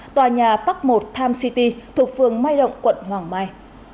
tòa nhà park một time city thuộc phường mai động quận hoàng mai